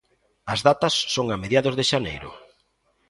As datas son a mediados de xaneiro.